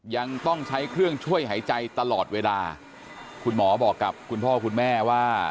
ยังต้องใช้เครื่องช่วยหายใจตลอดเวลาคุณหมอบอกกับคุณพ่อคุณแม่ว่า